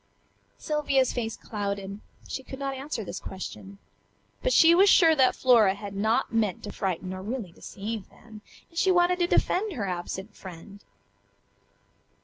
Sylvia's face clouded; she could not answer this question, but she was sure that Flora had not meant to frighten or really deceive them, and she wanted to defend her absent friend.